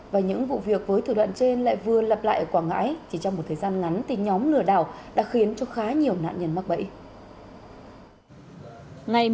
và những vụ việc với thủ đoạn trên lại vừa lặp lại ở quảng ngãi chỉ trong một thời gian ngắn thì nhóm lừa đảo đã khiến cho khá nhiều nạn nhân mắc bẫy